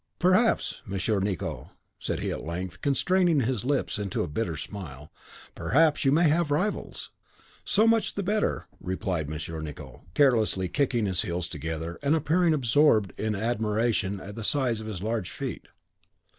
"Perhaps, Monsieur Nicot," said he, at length, constraining his lips into a bitter smile, "perhaps you may have rivals." "So much the better," replied Monsieur Nicot, carelessly, kicking his heels together, and appearing absorbed in admiration at the size of his large feet.